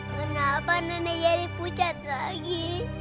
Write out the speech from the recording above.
kenapa nenek jadi pucat lagi